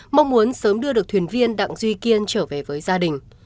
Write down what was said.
mong muốn sớm đưa được thuyền viên đặng duy kiên trở về với gia đình